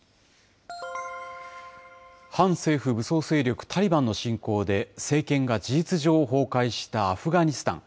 反政府武装勢力タリバンの進攻で、政権が事実上崩壊したアフガニスタン。